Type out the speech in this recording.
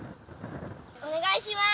お願いします。